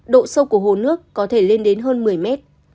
độ sâu của hồ nước có thể lên đến hơn một mươi mét